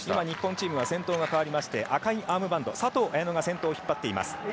日本チームが先頭が変わりまして赤いアームバンド佐藤綾乃が先頭を引っ張っています。